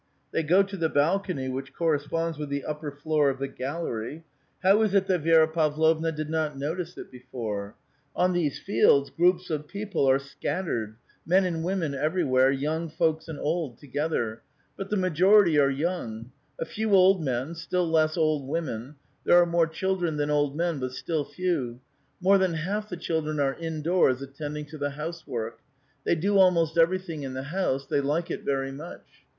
They go to the balcony which corresponds with the upper floor of the gallery. How is it that Vi6ra Pavlovna did not notice it before ? On these fields groups of people are scat tered ; men and women everywhere, young folks and old to gether ; but the majority are young ; a few old men, still less old women ; there are more children than old men, but still few. More than half the children are indoors, attending to the housework. They do almost everything in the house ; they like it very much.